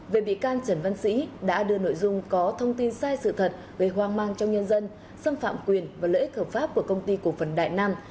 về bị can trần văn sĩ đã đưa nội dung có thông tin sai sự thật gây hoang mang trong nhân dân xâm phạm quyền và lợi ích hợp pháp của công ty cổ phần đại nam